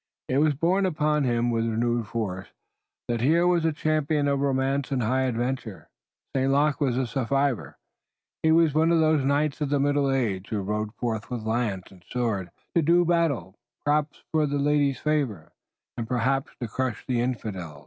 It was borne upon him with renewed force that here was a champion of romance and high adventure. St. Luc was a survival. He was one of those knights of the Middle Ages who rode forth with lance and sword to do battle, perhaps for a lady's favor, and perhaps to crush the infidel.